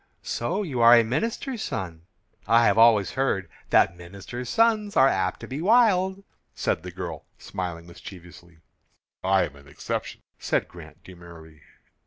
"So you are a minister's son. I have always heard that minister's sons are apt to be wild," said the girl, smiling mischievously. "I am an exception," said Grant, demurely.